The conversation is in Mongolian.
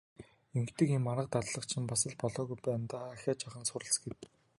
Ингэдэг юм, арга дадлага чинь бас л болоогүй байна даа, ахиад жаахан суралц гэв.